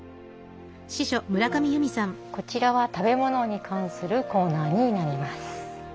こちらは食べ物に関するコーナーになります。